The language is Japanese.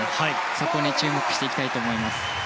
そこに注目していきたいと思います。